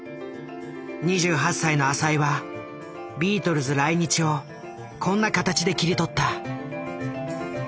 ２８歳の浅井はビートルズ来日をこんな形で切り取った。